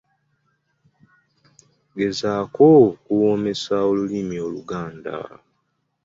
Gezaako okuwoomesa olulimi Oluganda.